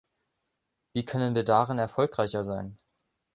Wie können wir darin erfolgreicher sein?